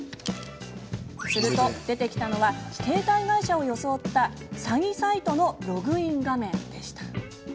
すると、出てきたのは携帯会社を装った詐欺サイトのログイン画面でした。